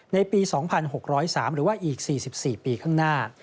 ในปี๒๖๐๓หรือว่าอีก๔๔ปีข้างหน้า